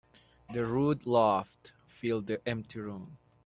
The rude laugh filled the empty room.